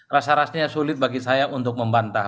rasa rasanya sulit bagi saya untuk membantah